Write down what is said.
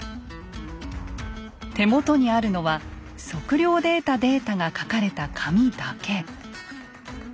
手元にあるのは測量で得たデータが書かれた紙だけ。